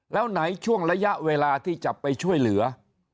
แล้วไหนช่วงระยะเวลาที่จะไปช่วยเหลือ